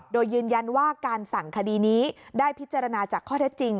โดยยืนยันว่าการสั่งคดีนี้ได้พิจารณาจากข้อเท็จจริง